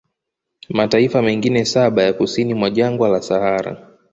mataifa mengine saba ya kusini mwa jangwa la Sahara